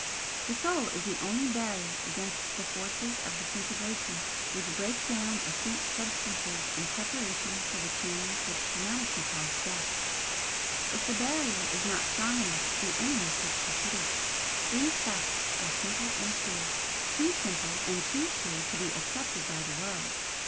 The Soul is the only barrier against the forces of disintegration which break down effete substances in preparation for the change which humanity calls 'Death.' If the barrier is not strong enough, the enemy takes the city. These facts are simple and true; too simple and too true to be accepted by the world.